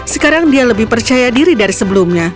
sekarang dia lebih percaya diri dari sebelumnya